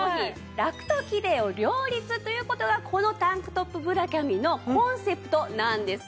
「ラクとキレイを両立」という事がこのタンクトップブラキャミのコンセプトなんです。